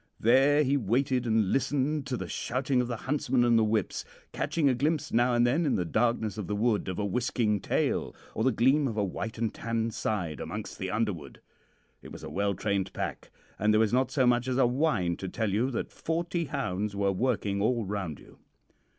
There he waited and listened to the shouting of the huntsman and the whips, catching a glimpse now and then in the darkness of the wood of a whisking tail, or the gleam of a white and tan side amongst the underwood. It was a well trained pack, and there was not so much as a whine to tell you that forty hounds were working all round you.